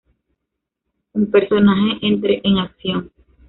Un personaje entre en acción.